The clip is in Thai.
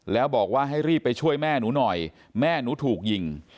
แล้วบอกว่าให้รีบไปช่วยแม่หนูหน่อยแม่หนูถูกยิง